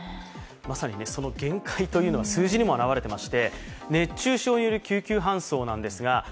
まさに限界というのは、数字にも表れています。